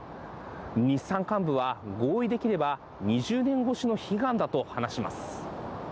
日産幹部は合意できれば２０年越しの悲願だと話します。